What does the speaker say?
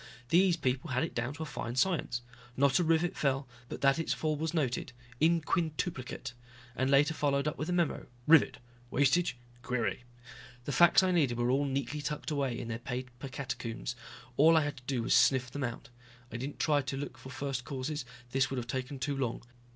These people had it down to a fine science. Not a rivet fell, but that its fall was noted in quintuplicate. And later followed up with a memo, rivet, wastage, query. The facts I needed were all neatly tucked away in their paper catacombs. All I had to do was sniff them out. I didn't try to look for first causes, this would have taken too long.